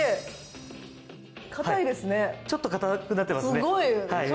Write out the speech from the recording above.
かたいですねちょっとかたくなってますね